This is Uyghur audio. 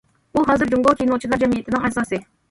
ئۇ ھازىر جۇڭگو كىنوچىلار جەمئىيىتىنىڭ ئەزاسى.